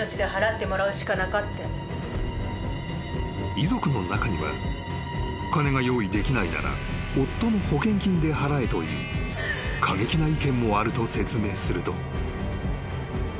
［遺族の中には金が用意できないなら夫の保険金で払えという過激な意見もあると説明すると］